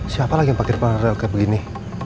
siapa lagi yang pakai depan rel kayak begini